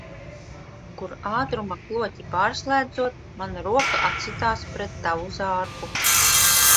Kur ātruma kloķi pārslēdzot, mana roka atsitās pret tavu zārku.